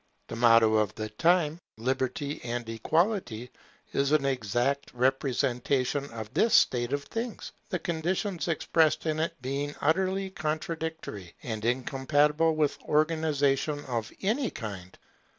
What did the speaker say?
The motto of the time, Liberty and Equality, is an exact representation of this state of things, the conditions expressed in it being utterly contradictory, and incompatible with organization of any kind.